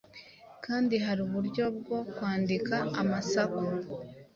kandi hari uburyo bwo kwandika amasaku